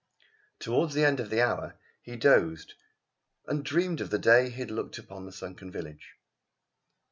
Towards the end of the hour he dozed and dreamt of the day he had looked on the sunken village.